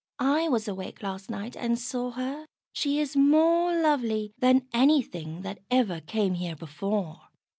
"I was awake last night and saw her; she is more lovely than anything that ever came here before."